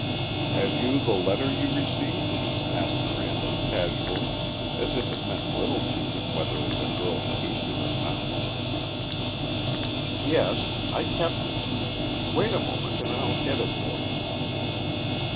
"Have you the letter you received?" asked Randall, casually as if it meant little to him whether the girl produced it or not. "Yes. I kept it. Wait a moment and I'll get it for you."